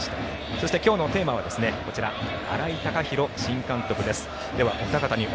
そして、今日のテーマはこちら、新井貴浩新監督です。